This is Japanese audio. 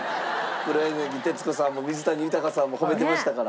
黒柳徹子さんも水谷豊さんも褒めてましたから。